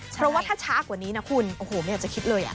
เพราะว่าถ้าช้ากว่านี้นะคุณโอ้โหไม่อยากจะคิดเลย